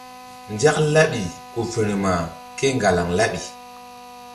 Nzak laɓi ku firma kéŋgalaŋ laɓi.